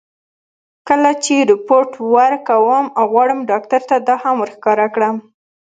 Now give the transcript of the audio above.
کله چې رېپورټ ورکوم، غواړم ډاکټر ته دا هم ور ښکاره کړم.